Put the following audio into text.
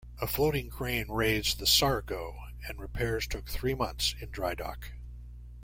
A floating crane raised the "Sargo", and repairs took three months in drydock.